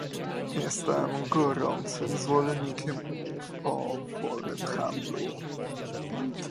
Jestem gorącym zwolennikiem umów o wolnym handlu